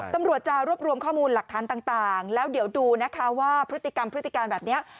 ตำรวจจะรวบรวมข้อมูลหลักฐานต่างแล้วเดี๋ยวดูนะคะว่าพฤติกรรมพฤติการแบบนี้